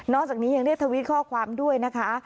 จากนี้ยังได้ทวิตข้อความด้วยนะคะ